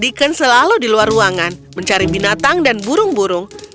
diken ah diken selalu di luar ruangan mencari binatang dan burung burung